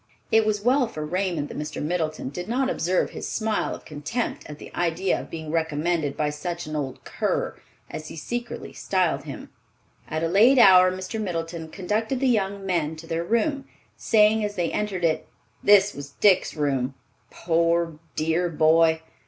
It was well for Raymond that Mr. Middleton did not observe his smile of contempt at the idea of being recommended by such an "old cur," as he secretly styled him. At a late hour Mr. Middleton conducted the young men to their room, saying as they entered it, "This was Dick's room, poor dear boy!